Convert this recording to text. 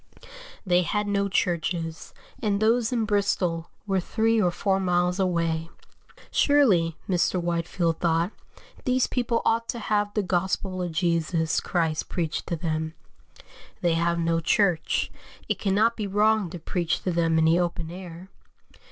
They had no churches, and those in Bristol were three or four miles away. Surely, Mr. Whitefield thought, these people ought to have the gospel of Jesus Christ preached to them; they have no church, it cannot be wrong to preach to them in the open air.